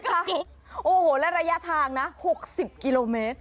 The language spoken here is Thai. โอ้โหและระยะทางนะ๖๐กิโลเมตร